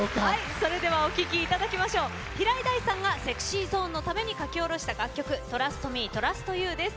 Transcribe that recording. それではお聴きいただきましょう平井大さんがＳｅｘｙＺｏｎｅのために書き下ろした楽曲「ＴｒｕｓｔＭｅ，ＴｒｕｓｔＹｏｕ．」です。